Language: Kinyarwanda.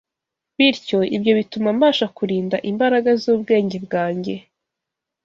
Bityo ibyo bituma mbasha kurinda imbaraga z’ubwenge bwanjye